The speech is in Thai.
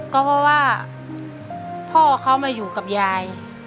ก็เพราะว่าพ่อเขามาอยู่กับยาย